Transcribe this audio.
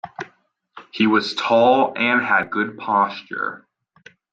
He was tall and had good posture.